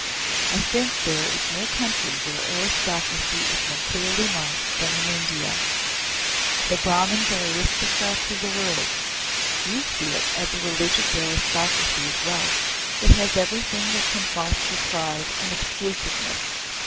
I think there is no country where aristocracy is more clearly marked than in India. The Brahmans are aristocrats of the world. You see it is a religious aristocracy as well. It has everything that can foster pride and exclusiveness.